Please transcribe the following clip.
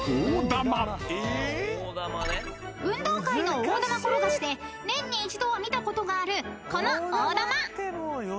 ［運動会の大玉転がしで年に一度は見たことがあるこの大玉］